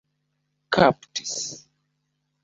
kaptis